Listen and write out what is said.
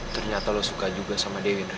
ternyata lu suka juga sama dewi dre